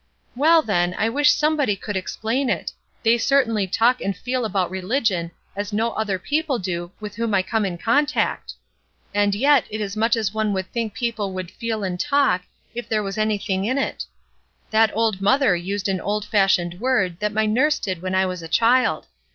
''Well, then, I wish somebody could explain it. They certainly talk and feel about religion as no other people do with whom I come in contact ; and yet it is much as one would think people would feel and talk, if there was any thing in it. That old mother used an old fash ioned word that my nurse did when I was a child.